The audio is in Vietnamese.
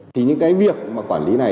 thì những cái việc mà quản lý này